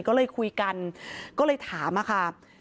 ก็เลยคุยกันก็เลยถามอะค่ะ